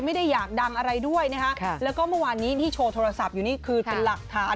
ไม่ได้อยากดังอะไรด้วยนะคะแล้วก็เมื่อวานนี้ที่โชว์โทรศัพท์อยู่นี่คือเป็นหลักฐาน